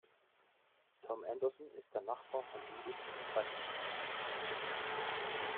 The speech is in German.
Tom Anderson ist der Nachbar von Beavis und Butt-Head.